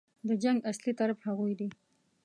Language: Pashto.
د جنګ اصلي طرف هغوی دي.